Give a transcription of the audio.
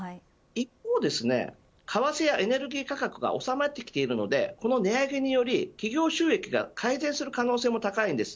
一方、為替やエネルギー価格がおさまってきているのでこの値上げにより企業収益が改善する可能性が高いです。